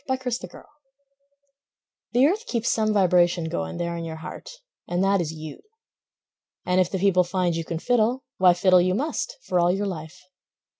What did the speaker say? Fiddler Jones The earth keeps some vibration going There in your heart, and that is you. And if the people find you can fiddle, Why, fiddle you must, for all your life.